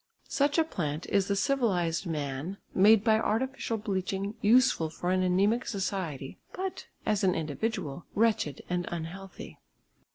Such a plant is the civilised man made by artificial bleaching useful for an anæmic society, but, as an individual, wretched and unhealthy.